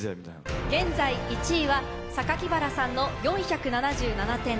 現在１位は原さんの４７７点。